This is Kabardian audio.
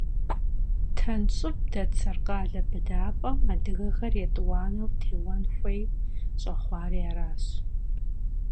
Тэн щӏыб дэт Саркъалэ быдапӏэм адыгэхэр етӏуанэу теуэн хуей щӏэхъуари аращ.